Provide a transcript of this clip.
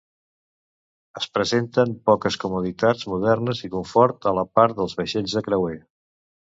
Es presenten poques comoditats modernes i confort, a part dels vaixells de creuer.